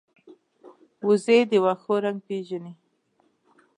وزې د واښو رنګ پېژني